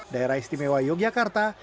daerah istimewa yogyakarta